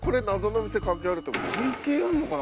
関係あるのかな？